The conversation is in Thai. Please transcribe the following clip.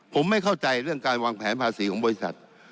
ผมไม่เข้าใจเรื่องการวางแผนภาษีของบริษัท